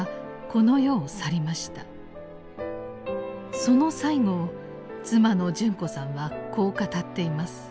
その最期を妻の順子さんはこう語っています。